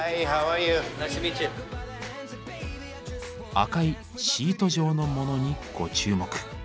赤いシート状のモノにご注目。